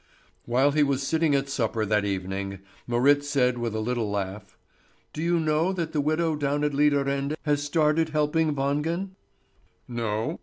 While he was sitting at supper that evening, Marit said with a little laugh: "Do you know that the widow down at Lidarende has started helping Wangen?" "No."